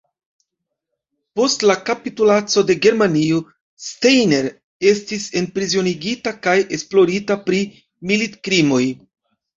Post la kapitulaco de Germanio, Steiner estis enprizonigita kaj esplorita pri militkrimoj.